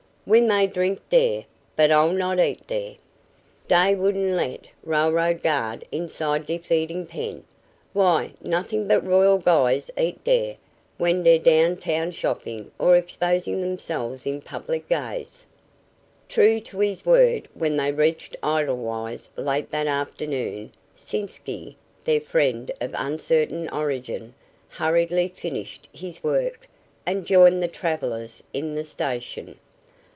"We may drink dere, but I'll not eat dere. Dey wouldn't let a railroad guard inside de feedin' pen. Why, nothin' but royal guys eat dere when dey're down town shoppin' or exposin' demselves to public gaze." True to his word, when they reached Edelweiss late that afternoon Sitzky, their friend of uncertain origin, hurriedly finished his work and joined the travelers in the station.